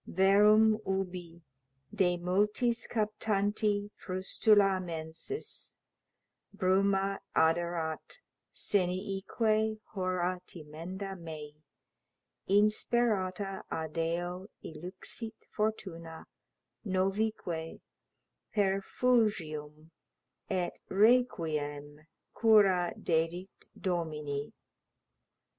Verum ubi, de multis captanti frustula mensis, Bruma aderat, seniique hora timenda mei, Insperata adeo illuxit fortuna, novique Perfugium et requiem cura dedit domini.